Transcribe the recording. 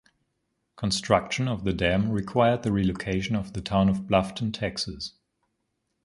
Construction of the dam required the relocation of the town of Bluffton, Texas.